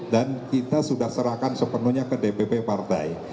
dan kita sudah serahkan sepenuhnya ke dpp pardai